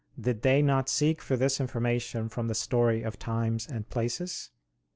Did they not seek for this information from the story of times and places?"